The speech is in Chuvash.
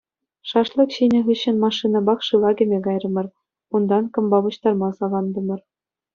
Шашлык ҫинӗ хыҫҫӑн машинӑпах шыва кӗме кайрӑмӑр, унтан кӑмпа пуҫтарма салантӑмӑр.